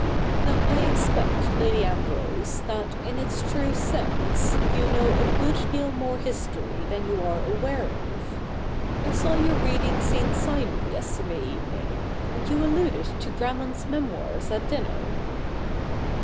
Now I expect. Lady Ambrose, that, in its true sense, you know a good deal more history than you are aware of. I saw you reading Saint Simon yesterday evening, and you alluded to Grammont's Memoirs at dinner.'